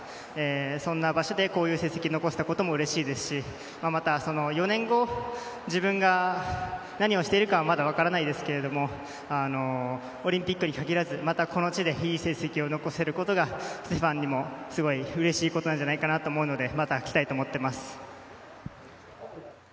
そんな場所でこういう成績を残せたこともうれしいですしまた４年後、自分が何をしているかまだ分からないですけどオリンピックに限らずまたこの地でいい成績を残せることがステファンにもすごいうれしいことなんじゃないかと思うのでまた来たいと思っています。